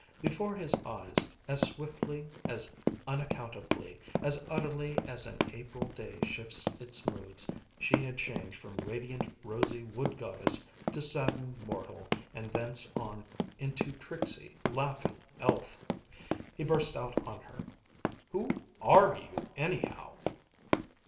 Before his eyes, as swiftly, as unaccountably, as utterly as an April day shifts its moods, she had changed from radiant, rosy wood goddess to saddened mortal and thence on into tricksy, laughing elf. He burst out on her, "Who are you, anyhow?"